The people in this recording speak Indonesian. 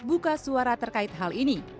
buka suara terkait hal ini